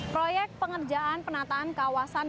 proyek pengerjaan penataan kawasan